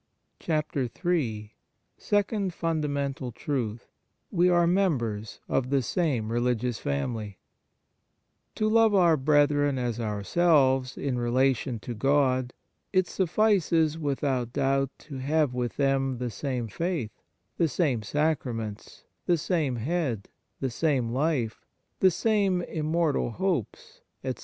4 Ill SECOND FUNDAMENTAL TRUTH We are members of the same religious family To love our brethren as ourselves in relation to God, it suffices without doubt to have with them the same faith, the same Sacraments, the same head, the same life, the same im mortal hopes, etc.